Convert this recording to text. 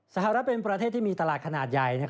สหรัฐเป็นประเทศที่มีตลาดขนาดใหญ่